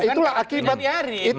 itu kan kaki yang diharif